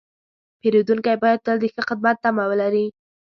پیرودونکی باید تل د ښه خدمت تمه ولري.